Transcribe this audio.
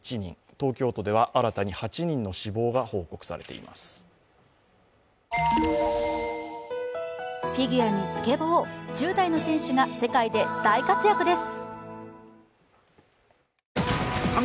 東京都では新たに８人の死亡が報告されています。